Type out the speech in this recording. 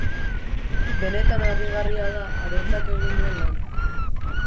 Benetan harrigarria da arotzak egin duen lana.